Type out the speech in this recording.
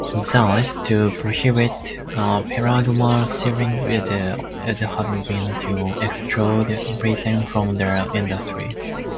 Thus, to prohibit pelagic sealing would have been to exclude Britain from the industry.